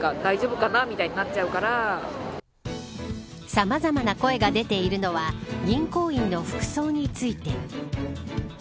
さまざまな声が出ているのは銀行員の服装について。